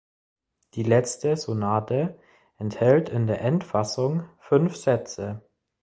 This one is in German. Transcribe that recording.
Die letzte Sonate enthält in der Endfassung fünf Sätze.